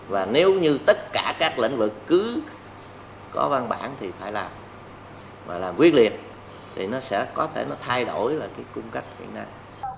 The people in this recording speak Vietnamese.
và nếu như tất cả các lĩnh vực cứ có văn bản thì phải làm và là quyết liệt thì nó sẽ có thể nó thay đổi là cái cung cách hiện nay